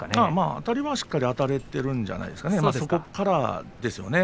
あたりはしっかりあたれているんじゃないですかね。